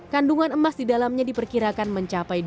kandungan emas di dalamnya diperkirakan mencapai dua delapan juta oz